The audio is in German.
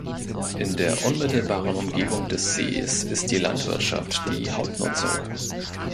In der unmittelbaren Umgebung des Sees ist die Landwirtschaft die Hauptnutzung.